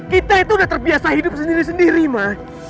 kita itu udah terbiasa hidup sendiri sendiri mah